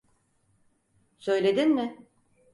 Söyledin mi?